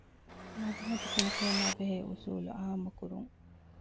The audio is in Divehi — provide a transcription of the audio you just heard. މަގުމަތި ކުނިކެހުމާއި ބެހޭ އުޞޫލު ޢާއްމުކުރުން.